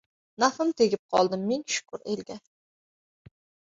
Nafim tegib qoldi ming shukur elga